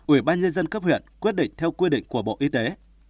ủy ban nhân dân cấp huyện quyết định theo quy định của bộ y tế